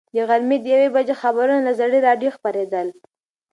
د غرمې د یوې بجې خبرونه له زړې راډیو خپرېدل.